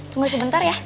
tunggu sebentar ya